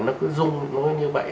nó cứ rung như vậy